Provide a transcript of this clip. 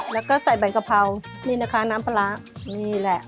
แล้วก็ใส่ใบกะเพรานี่นะคะน้ำปลาร้านี่แหละ